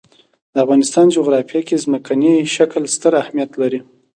د افغانستان جغرافیه کې ځمکنی شکل ستر اهمیت لري.